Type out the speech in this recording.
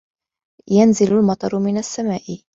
يَنْزِلُ الْمَطَرُ مِنَ السَّمَاءِ.